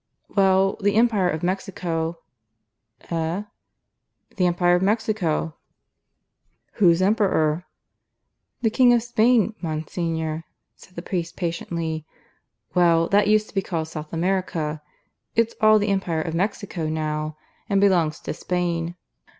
"Well, the Empire of Mexico " "Eh?" "The Empire of Mexico." "Who's Emperor?" "The King of Spain, Monsignor," said the priest patiently. "Well, that used to be called South America. It's all the Empire of Mexico now, and belongs to Spain.